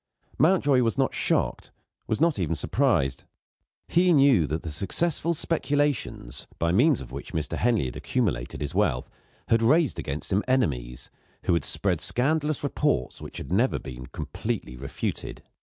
Mountjoy was not shocked, was not even surprised. He knew that the successful speculations, by means of which Mr. Henley had accumulated his wealth, had raised against him enemies, who had spread scandalous reports which had never been completely refuted.